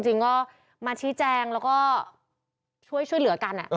จริงก็มาชี้แจงแล้วก็ช่วยเหลือกัน